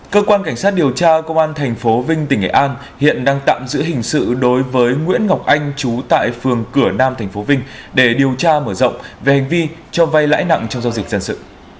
cơ quan cảnh sát điều tra công an tp vinh tỉnh nghệ an hiện đang tạm giữ hình sự đối với nguyễn ngọc anh trú tại phường cửa nam tp vinh để điều tra mở rộng về hành vi cho vay lãi nặng trong giao dịch dân sự